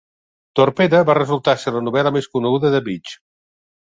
"Torpede" va resultar ser la novel.la més coneguda de Beach.